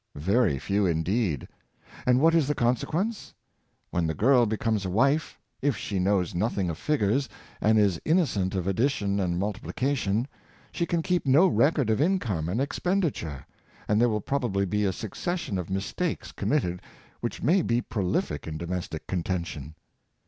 — Very few indeed. And what is the conse quence? When the girl becomes a wife, if she knows nothing of figures, and is innocent of addition and mul tiplication, she can keep no record of income and ex penditure, and there will probably be a succession of mistakes committed which may be prolific in domestic contention.